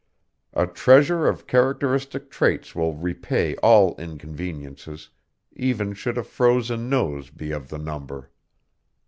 A treasure of characteristic traits will repay all inconveniences, even should a frozen nose be of the number.